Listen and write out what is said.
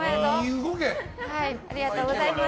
ありがとうございます。